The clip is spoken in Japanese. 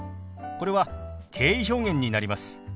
これは敬意表現になります。